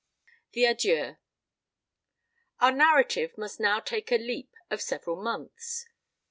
THE ADIEUX. Our narrative must now take a leap of several months.